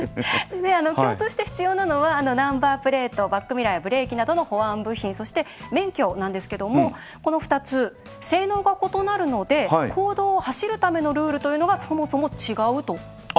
共通して必要なのはナンバープレートバックミラーやブレーキなどの保安部品そして免許なんですけどもこの２つ性能が異なるので公道を走るためのルールというのがそもそも違うということなんです。